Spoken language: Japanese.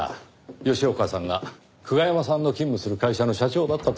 吉岡さんが久我山さんの勤務する会社の社長だったとは。